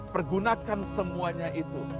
pergunakan semuanya itu